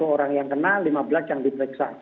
lima belas satu orang yang kena lima belas yang diperiksa